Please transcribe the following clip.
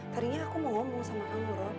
tadinya aku mau ngomong sama kamu roh